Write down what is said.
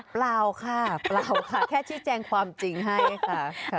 เปล่าค่ะแค่ที่แจงความจริงให้ค่ะ